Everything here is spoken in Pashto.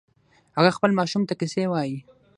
هغه خپل ماشوم ته کیسې وایې